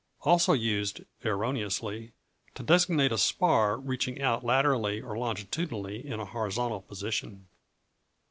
Also used (erroneously) to designate a spar reaching out laterally or longitudinally in a horizontal position.